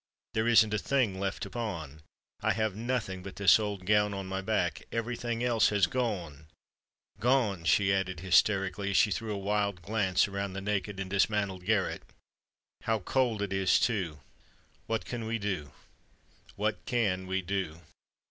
"There isn't a thing left to pawn. I have nothing but this old gown on my back—every thing else has gone—gone!" she added hysterically, as she threw a wild glance around the naked and dismantled garret. "How cold it is, too! What can we do? what can we do?"